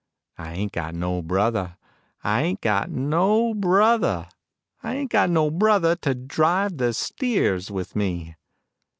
I ain't got no brother, I ain't got no brother, I ain't got no brother To drive the steers with me.